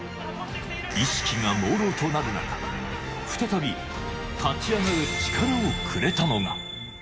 意識がもうろうとなる中、再び立ち上がる力をくれたのが。